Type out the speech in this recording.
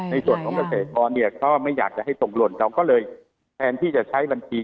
ในส่วนของเกษตรกรเนี่ยก็ไม่อยากจะให้ส่งหล่นเราก็เลยแทนที่จะใช้บัญชี